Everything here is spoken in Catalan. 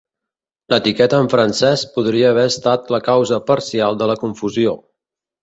L'etiqueta en francès podria haver estat la causa parcial de la confusió.